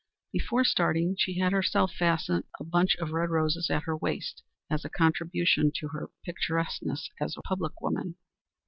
Before starting she had herself fastened a bunch of red roses at her waist as a contribution to her picturesqueness as a public woman.